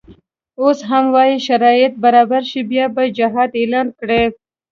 اوس هم وایي شرایط برابر شي بیا به جهاد اعلان کړي.